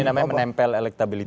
ini namanya menempel elektabilitas